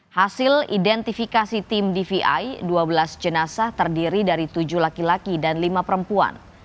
hasil identifikasi tim dvi dua belas jenazah terdiri dari tujuh laki laki dan lima perempuan